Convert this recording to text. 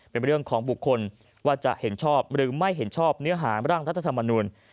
เป็นเรื่องของบุคคลว่าจะเห็นชอบหรือไม่เห็นชอบเนื้อหาร่างรัฐธรรมนูล